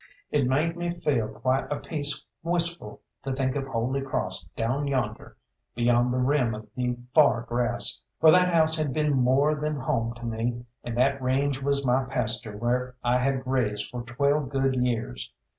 It made me feel quite a piece wistful to think of Holy Cross down yonder beyond the rim of the far grass, for that house had been more than home to me, and that range was my pasture where I had grazed for twelve good years.